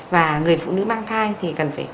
và người phụ nữ mang thai thì cần phải